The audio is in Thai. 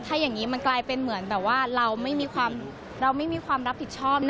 ถ้าอย่างนี้มันกลายเป็นเหมือนแบบว่าเราไม่มีความรับผิดชอบนะ